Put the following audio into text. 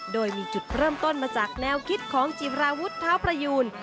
โดยมีจุดเริ่มต้นมาจากแนวคิดของจิราวุฒิเท้าประยูน